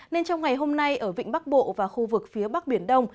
nên trong ngày hôm nay ở vịnh bắc bộ và khu vực phía bắc biển đông